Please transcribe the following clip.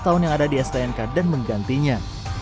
tahun yang ada di stnk dan menggantinya